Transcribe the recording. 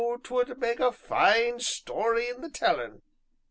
'twould mak' a fine story in the tellin'."